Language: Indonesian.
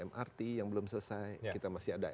mrt yang belum selesai kita masih ada